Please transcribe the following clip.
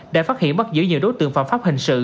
đã phát hiện mất giữa nhiều đối tượng phạm pháp hình sự